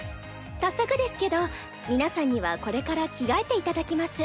早速ですけど皆さんにはこれから着替えていただきます。